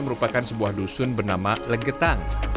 merupakan sebuah dusun bernama legetang